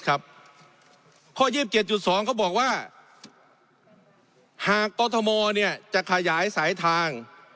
ข้อ๒๗๒เขาบอกว่าหากกรทมจะขยายสายทาง